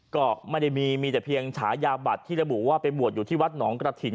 ก็ไม่ได้มีมีแต่เพียงฉายาบัตรที่ระบุว่าไปบวชอยู่ที่วัดหนองกระถิ่น